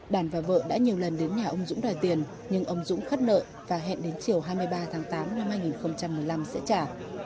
đàn và vợ đã nhiều lần đến nhà ông dũng đòi tiền nhưng ông dũng khắt nợ và hẹn đến chiều hai mươi ba tháng tám năm hai nghìn một mươi năm sẽ trả